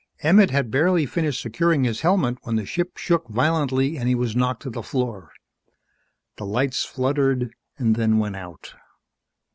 Emmett had barely finished securing his helmet when the ship shook violently and he was knocked to the floor. The lights fluttered, then went out.